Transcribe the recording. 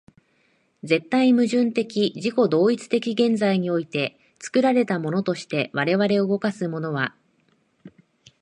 絶対矛盾的自己同一的現在において、作られたものとして我々を動かすものは、